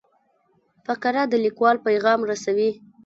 فقره د لیکوال پیغام رسوي.